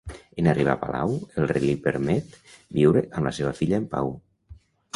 En arribar a palau, el rei li permet viure amb la seva filla en pau.